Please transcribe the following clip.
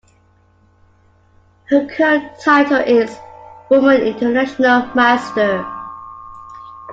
Her current title is Woman International Master.